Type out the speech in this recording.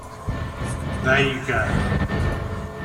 There you go.